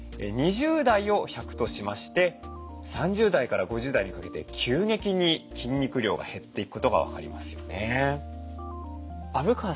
２０代を１００としまして３０代から５０代にかけて急激に筋肉量が減っていくことが分かりますよね。